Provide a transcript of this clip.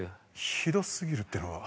ひどすぎるってのは？